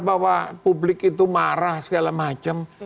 bahwa publik itu marah segala macam